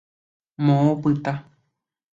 Moõ opyta.